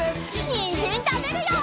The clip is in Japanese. にんじんたべるよ！